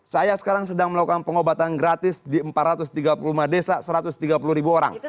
saya sekarang sedang melakukan pengobatan gratis di empat ratus tiga puluh lima desa satu ratus tiga puluh ribu orang